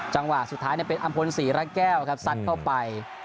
จังหวะสุดท้ายเนี่ยเป็นอำพลสีรักแก้วครับสัดเข้าไป